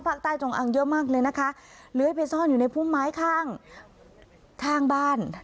ภาคใต้จงอ้างเยอะมากเลยนะคะเลื้อยเพศซ่อนอยู่ในผู้ไม้ข้างทางบ้าน